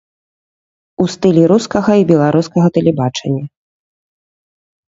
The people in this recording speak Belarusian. У стылі рускага і беларускага тэлебачання.